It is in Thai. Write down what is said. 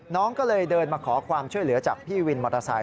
น้องก็เลยเดินมาขอความช่วยเหลือจากพี่วินมอเตอร์ไซค